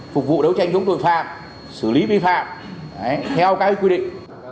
phục vụ đấu tranh chống tội phạm xử lý vi phạm theo các quy định